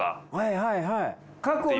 はいはいはい。